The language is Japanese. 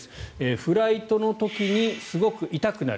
フライトの時にすごく痛くなる。